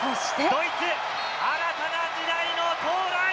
ドイツ、新たな時代の到来。